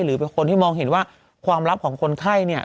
หรือเป็นคนที่มองเห็นว่าความลับของคนไข้เนี่ย